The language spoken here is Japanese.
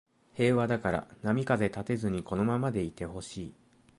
平和だから波風立てずにこのままでいてほしい